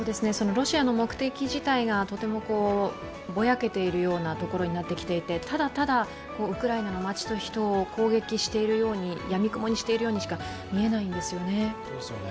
ロシアの目的自体がとてもぼやけているようなところになってきていてただただ、ウクライナの街と人を攻撃しているように、やみくもにしているようにしか見えないんですよね。